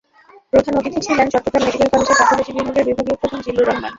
প্রধান অতিথি ছিলেন চট্টগ্রাম মেডিকেল কলেজের প্যাথলজি বিভাগের বিভাগীয় প্রধান জিল্লুর রহমান।